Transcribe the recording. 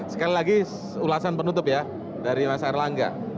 sekali lagi ulasan penutup ya dari mas erlangga